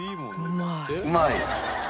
うまい？